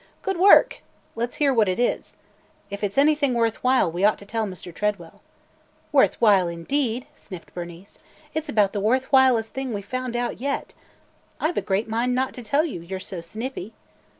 "Good work! Let 's hear what it is. It it 's anything worth while, we ought to tell Mr. Tredwell." "Worth while, indeed!" sniffed Bernice. "It 's about the worth whilest thing we 've found out yet. I 've a great mind not to tell you, you 're so snippy!"